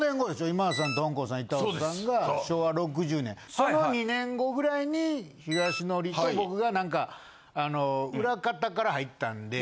今田さんとほんこんさん板尾さんが昭和６０年その２年後ぐらいにひがしのりと僕が何かあの裏方から入ったんで。